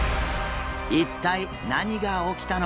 一体何が起きたのか？